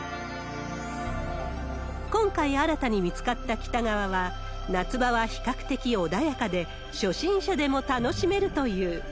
今回新たに見つかった北側は、夏場は比較的穏やかで、初心者でも楽しめるという。